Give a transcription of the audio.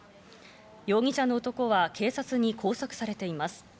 容疑者の男は警察に拘束されています。